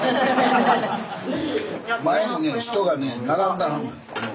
前にね人がね並んではんのよ。